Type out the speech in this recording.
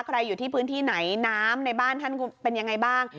อยู่ที่พื้นที่ไหนน้ำในบ้านท่านเป็นยังไงบ้าง